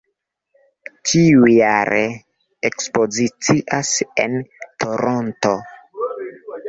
Tiujare ekspozicias en Toronto.